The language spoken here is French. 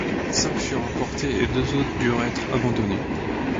Cinq furent emportés et deux autres durent être abandonnés.